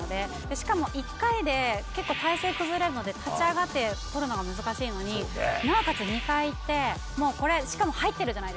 しかも１回で結構体勢崩れるので立ち上がって取るのが難しいのになおかつ２回行ってしかも入ってるじゃないですか。